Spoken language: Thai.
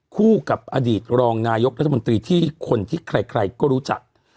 คู่กับอดีตรองนายกรัฐมนตรีที่คนที่ใครก็รู้จัก